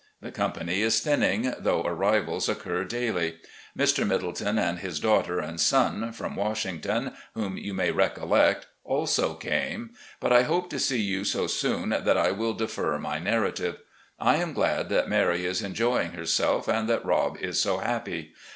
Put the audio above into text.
The company is thinning, though arrivals occur daily. Mr. Middleton and his daughter and son, from Washington, whom you may recol lect, also came. But I hope to see you so soon that I ■will defer my narrative. I am glad that Mary is enjoying her self and that Rob is so happy.